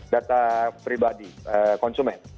data pribadi konsumen